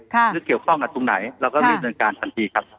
หรือเกี่ยวข้องกับตรงไหนเราก็รีบดำเนินการทันทีครับ